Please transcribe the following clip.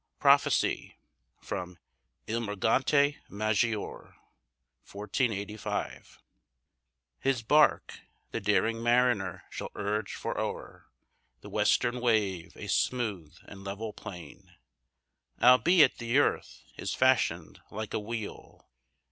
PROPHECY From "Il Morgante Maggiore" 1485 His bark The daring mariner shall urge far o'er The Western wave, a smooth and level plain. Albeit the earth is fashioned like a wheel.